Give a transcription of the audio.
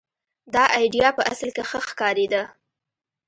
دا اېډیا په اصل کې ښه ښکارېده.